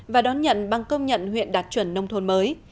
và đón nhận bằng công nhận huyện đạt chuẩn nông thôn mới